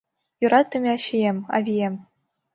Йӧратыме ачием, авием!..